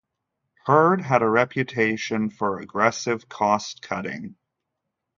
Hurd had a reputation for aggressive cost-cutting.